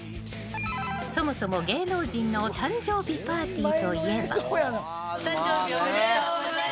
そもそも芸能人の誕生日パーティーといえば。